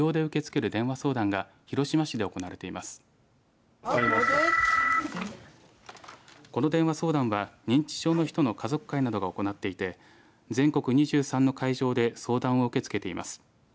この電話相談は認知症の人の家族会などが行っていて全国２３の会場で相談を受け付けています。